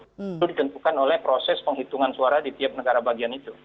itu ditentukan oleh proses penghitungan suara di tiap negara bagian itu